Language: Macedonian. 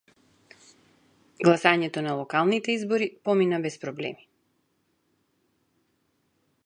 Гласањето на локалните избори помина без проблеми.